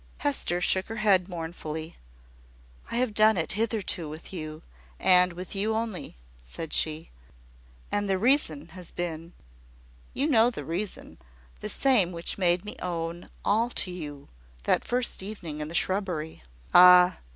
Hester shook her head mournfully. "I have done it hitherto with you, and with you only," said she: "and the mason has been you know the reason the same which made me own all to you, that first evening in the shrubbery. Ah!